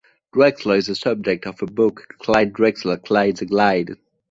Drexler is the subject of the book "Clyde Drexler: Clyde the Glide".